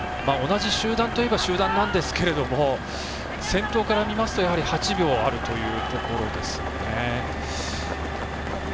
同じ集団といえば集団なんですけど先頭から見ますと８秒あるというところですね。